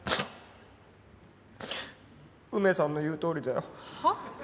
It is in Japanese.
梅さんの言うとおりだよ。はあ？